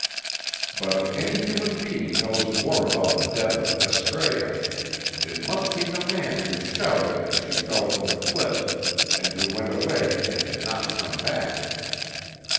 But if any human being knows more about the death of Astræa, it must be the man who shouted as she fell from the cliff, and who went away and did not come back.